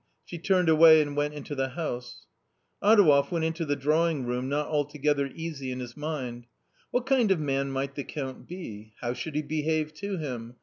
She turned away and went into the house. Adouev went into the drawing room not altogether easy in his mind. What kind of man might the Count be ? How should he behave to him